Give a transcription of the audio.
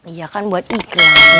iya kan buat iklan